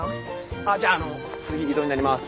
あじゃああの次移動になります。